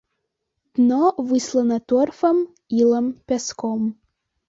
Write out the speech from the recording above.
Дно выслана торфам, ілам, пяском.